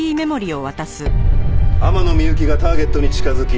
天野みゆきがターゲットに近づき